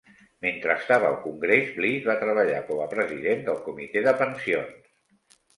Mentre estava al Congrés, Bliss va treballar com a president del comitè de pensions.